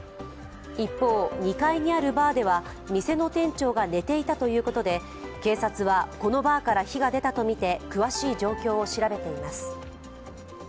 一方、２階にあるバーでは店の店長が寝ていたということで警察はこのバーから火が出たとみて詳しい状況を調べています。